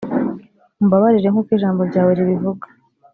umbabarire nk uko ijambo ryawe ribivuga